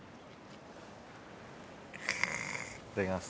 いただきます。